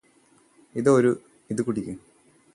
ഇതാ ഇത് കുടിക്ക്